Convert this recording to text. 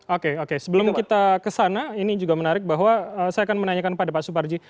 oke oke sebelum kita kesana ini juga menarik bahwa saya akan menanyakan pada pak suparji